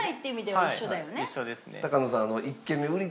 はい一緒ですね。